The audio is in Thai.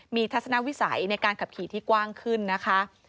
มีทัศนวิสัยในการขับขี่ที่กว้างขึ้นนะคะ